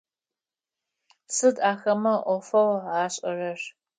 Сыд ахэмэ ӏофэу ашӏэрэр?